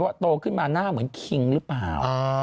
โตขึ้นมาหน้าเหมือนคิงหรือเปล่า